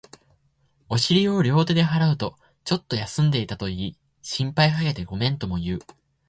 お尻を両手で払うと、ちょっと休んでいたと言い、心配かけてごめんとも言う